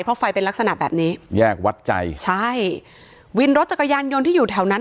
เพราะไฟเป็นลักษณะแบบนี้แยกวัดใจใช่วินรถจักรยานยนต์ที่อยู่แถวนั้น